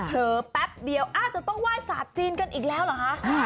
แป๊บเดียวจะต้องไหว้ศาสตร์จีนกันอีกแล้วเหรอคะ